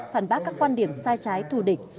phản bác các quan điểm sai trái thù địch